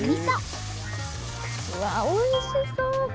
うわおいしそう！